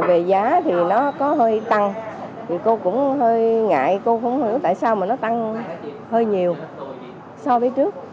về giá thì nó có hơi tăng thì cô cũng hơi ngại cô không hiểu tại sao mà nó tăng hơi nhiều so với trước